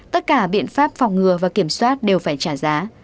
tất cả biện pháp phòng ngừa và kiểm soát đều phải trả giá